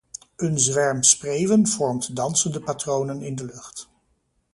Een zwerm spreeuwen vormt dansende patronen in de lucht.